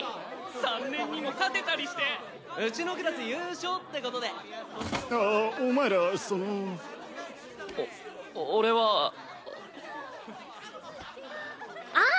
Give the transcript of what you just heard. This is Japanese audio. ３年にも勝てたりしてうちのクラス優勝ってああお前らそのお俺はああ